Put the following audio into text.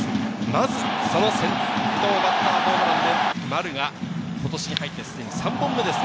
まず、先頭バッターホームランで丸が今年に入って３本目です。